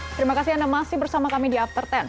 terima kasih anda masih bersama kami di after sepuluh